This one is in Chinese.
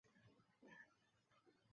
北魏绎幕县属于东清河郡。